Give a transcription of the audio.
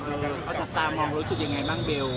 เอาจัดตามงองรู้สึกอย่างไรบ้างเบล